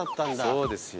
そうですよ。